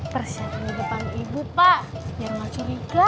bersihin di depan ibu pak biar masur juga